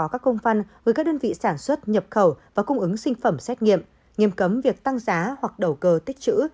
các đơn vị sản xuất nhập khẩu và cung ứng sinh phẩm xét nghiệm nghiêm cấm việc tăng giá hoặc đầu cơ tích chữ